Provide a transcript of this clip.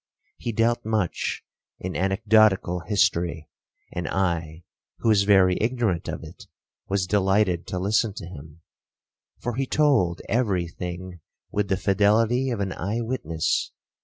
He dealt much in anecdotical history, and I, who was very ignorant of it, was delighted to listen to him, for he told every thing with the fidelity of an eye witness.